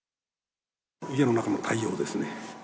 家の中の太陽ですね。